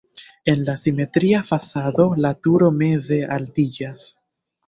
En la simetria fasado la turo meze altiĝas.